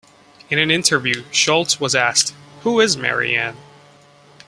In an interview Scholz was asked, Who is Marianne?